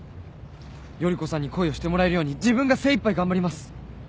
依子さんに恋をしてもらえるように自分が精いっぱい頑張ります。